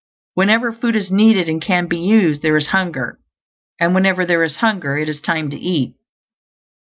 Whenever food is needed, and can be used, there is hunger; and whenever there is hunger it is time to eat.